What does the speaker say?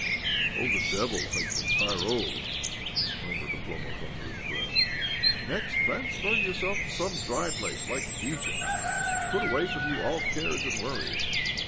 " Oh, the devil take the, Tyrol !" mur mured Oblomov under his breath. " Next, transfer yourself to some dry place like Egypt, aiid put away from you all cares and worries."